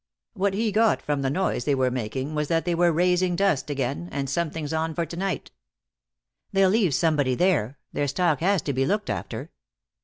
What he got from the noise they were making was that they were raising dust again, and something's on for to night." "They'll leave somebody there. Their stock has to be looked after."